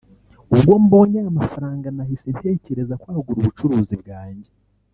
ubwo mbonye aya mafaranga nahise ntekereza kwagura ubucuruzi bwanjye